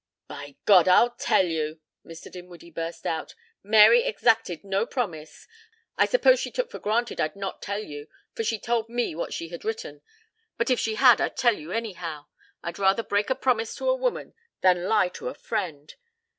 "By God! I'll tell you!" Mr. Dinwiddie burst out. "Mary exacted no promise I suppose she took for granted I'd not tell you, for she told me what she had written. But if she had I'd tell you anyhow. I'd rather break a promise to a woman than lie to a friend.